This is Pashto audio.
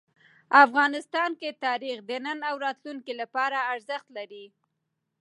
افغانستان کې تاریخ د نن او راتلونکي لپاره ارزښت لري.